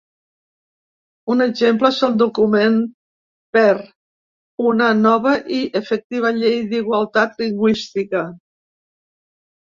Un exemple és el document Per una nova i efectiva llei d’igualtat lingüística.